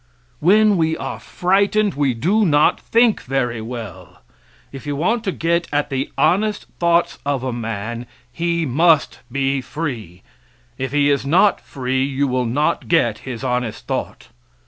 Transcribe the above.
When we are frightened we do not think very well. If you want to get at the honest thoughts of a man he must be free. If he is not free you will not get his honest thought.